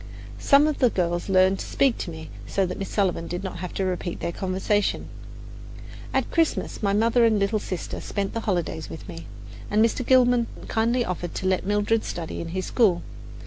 Some of the girls learned to speak to me, so that Miss Sullivan did not have to repeat their conversation. At Christmas, my mother and little sister spent the holidays with me, and Mr. Gilman kindly offered to let Mildred study in his school.